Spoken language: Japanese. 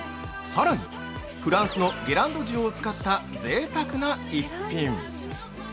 さらに、フランスのゲランド塩を使ったぜいたくな逸品。